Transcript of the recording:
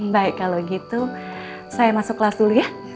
baik kalau gitu saya masuk kelas dulu ya